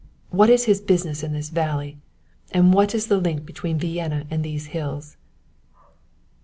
What is his business in the valley? And what is the link between Vienna and these hills?"